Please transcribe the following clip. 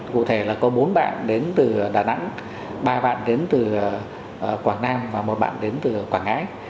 cụ thể là có bốn bạn đến từ đà nẵng ba bạn đến từ quảng nam và một bạn đến từ quảng ngãi